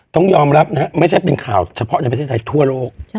ต้องยอมรับนะฮะไม่ใช่เป็นข่าวเฉพาะในประเทศไทยทั่วโลก